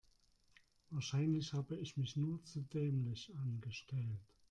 Wahrscheinlich habe ich mich nur zu dämlich angestellt.